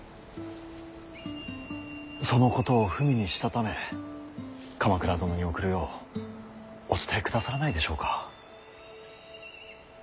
そのことを文にしたため鎌倉殿に送るようお伝えくださらないでしょうか。